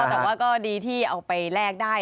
แต่ว่าก็ดีที่เอาไปแลกได้